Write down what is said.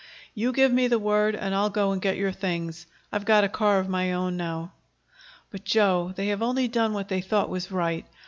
"You give me the word and I'll go and get your things; I've got a car of my own now." "But, Joe, they have only done what they thought was right.